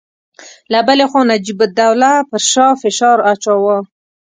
له بلې خوا نجیب الدوله پر شاه فشار اچاوه.